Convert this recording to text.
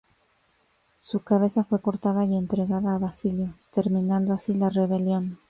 Su cabeza fue cortada y entregada a Basilio, terminando así la rebelión.